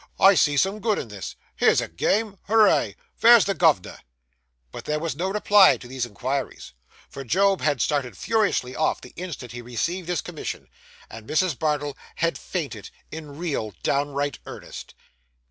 I see some good in this. Here's a game. Hooray! vere's the gov'nor?' But there was no reply to these inquiries, for Job had started furiously off, the instant he received his commission, and Mrs. Bardell had fainted in real downright earnest.